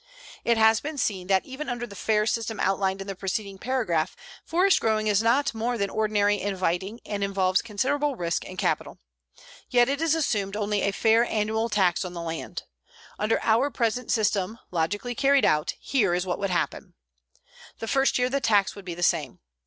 _ It has been seen that even under the fair system outlined in the preceding paragraph, forest growing is not more than ordinarily inviting and involves considerable risk and capital. Yet it assumed only a fair annual tax on the land. Under our present system, logically carried out, here is what would happen: The first year the tax would be the same.